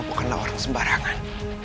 bukanlah orang sembarangan